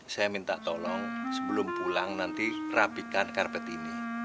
saya minta tolong sebelum pulang nanti rapikan karpet ini